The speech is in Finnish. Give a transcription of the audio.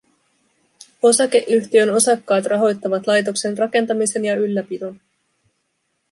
Osakeyhtiön osakkaat rahoittavat laitoksen rakentamisen ja ylläpidon